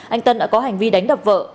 anh tân đã có hành vi đánh đập vợ